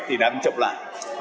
thì đang chậm lại